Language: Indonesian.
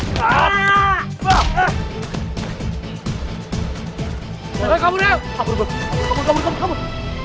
kabur kabur kabur